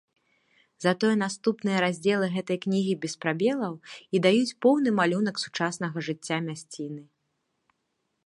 Затое наступныя раздзелы гэтай кнігі без прабелаў і даюць поўны малюнак сучаснага жыцця мясціны.